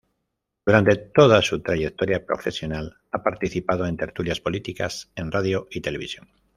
Durante toda su trayectoria profesional ha participado en tertulias políticas en radio y televisión.